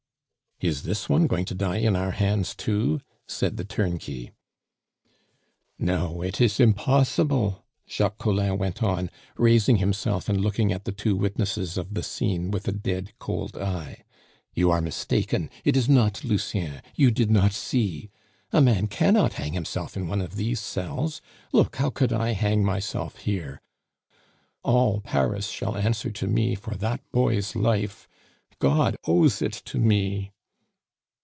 "Is this one going to die in our hands too?" said the turnkey. "No; it is impossible!" Jacques Collin went on, raising himself and looking at the two witnesses of the scene with a dead, cold eye. "You are mistaken; it is not Lucien; you did not see. A man cannot hang himself in one of these cells. Look how could I hang myself here? All Paris shall answer to me for that boy's life! God owes it to me."